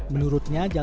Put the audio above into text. menurut gubernur ganjar